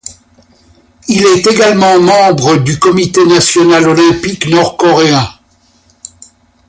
Il est également membre du comité national olympique nord-coréen.